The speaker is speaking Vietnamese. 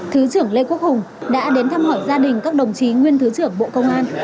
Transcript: thứ trưởng lê quốc hùng đã đến thăm hỏi gia đình các đồng chí nguyên thứ trưởng bộ công an